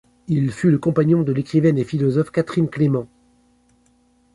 Il fut le compagnon de l’écrivaine et philosophe Catherine Clément.